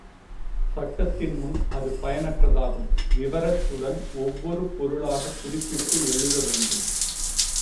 சட்டத்தின் முன் அது பயனற்றதாகும், விவரத்துடன் ஒவ்வொரு பொருளாகக் குறிப்பிட்டு எழுதவேண்டும்.